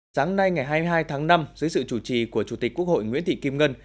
sáng nay ngày hai mươi hai tháng năm dưới sự chủ trì của chủ tịch quốc hội nguyễn thị kim ngân